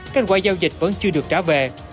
kết quả giao dịch vẫn chưa được trả về